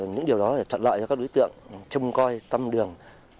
những điều đó trận lợi cho các đối tượng chung coi tâm đường